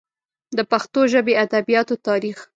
د پښتو ژبې ادبیاتو تاریخ